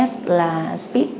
s là speech